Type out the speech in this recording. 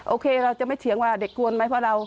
โอเคเราจะไม่เถียงว่าเด็กกวนไหมเพราะเรา